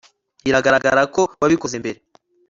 Biragaragara ko wabikoze mbere